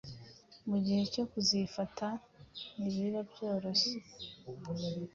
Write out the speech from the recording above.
mu gihe cyo kuzifata.ntibiba byoroshye